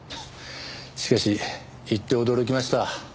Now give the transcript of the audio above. しかし行って驚きました。